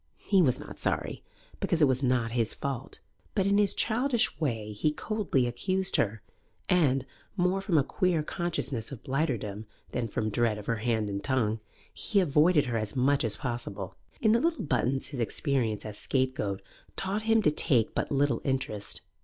He was not sorry, because it was not his fault, but in his childish way he coldly excused her, and, more from a queer consciousness of blighterdom than from dread of her hand and tongue, he avoided her as much as possible. In the little Buttons his experience as scapegoat taught him to take but little interest.